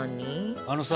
あのさ